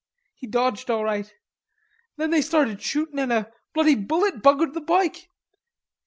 He dodged all right. Then they started shootin' and a bloody bullet buggered the boike....